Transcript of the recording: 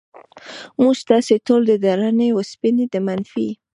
موږ تاسې ټول د درنې وسپنې د منفي